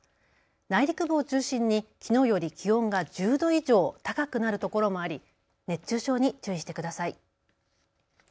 内陸部を中心にきのうより気温が１０度以上高くなるところもあり熱中症に注意してください。